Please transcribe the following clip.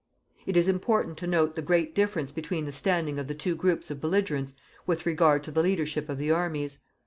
It is important to note the great difference between the standing of the two groups of belligerents with regard to the leadership of the armies.